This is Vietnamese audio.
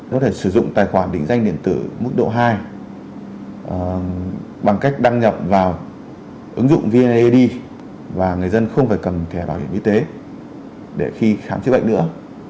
nó thể sử dụng tài khoản định danh điện tử mức độ hai bằng cách đăng nhập vào ứng dụng vnad và người dân không phải cần thẻ bảo hiểm y tế để khi khám chế bệnh nữa